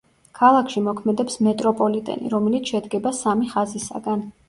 ქალაქში მოქმედებს მეტროპოლიტენი, რომელიც შედგება სამი ხაზისაგან.